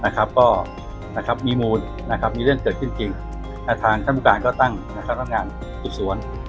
ก็มีมูลมีเรื่องเกิดขึ้นจริงทางท่านผู้การก็ตั้งคณะงานสืบสวน